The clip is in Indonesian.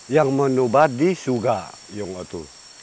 yang menubah di suga iyung otu